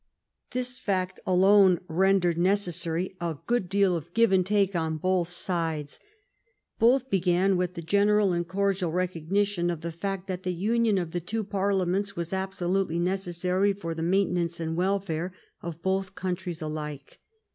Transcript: This fact alone rendered necessary a good deal of give and take on both sides. Both began with the gen eral and cordial recognition of the fact that the union of the two parliaments was absolutely necessary for the maintenance and welfare of both countries alike.